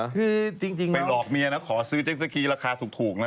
ไปหลอกเมียนะขอซื้อเซ็ซสิกีราคาสุขนั้น